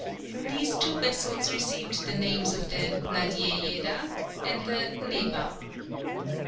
These two vessels received the names of the Nadiejeda and the Neva.